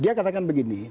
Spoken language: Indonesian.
dia katakan begini